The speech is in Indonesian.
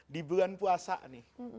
di bulan puasa nih